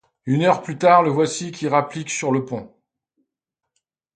Une heure plus tard, le voici qui rapplique sur le pont.